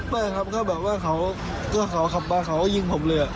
ไม่ครับก็แบบว่าเขาก็เขาขับมาเขาก็ยิงผมเลย